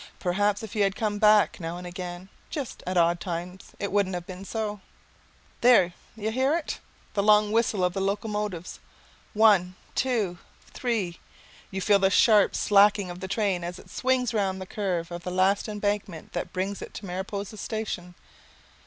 Perhaps if you had come back now and again, just at odd times, it wouldn't have been so. There, you hear it? the long whistle of the locomotive, one, two, three! You feel the sharp slackening of the train as it swings round the curve of the last embankment that brings it to the Mariposa station.